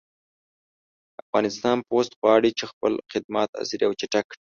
افغان پُست غواړي چې خپل خدمات عصري او چټک کړي